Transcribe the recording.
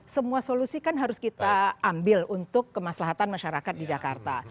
semua solusi kan harus kita ambil untuk kemaslahatan masyarakat di jakarta